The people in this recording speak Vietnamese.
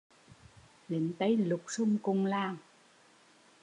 Lính Tây lục sục cùng làng